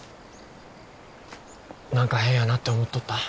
何か変やなって思っとった？